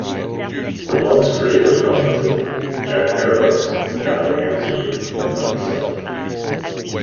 The blog's creator commented, Jack Parow and Die Antwoord are not zef.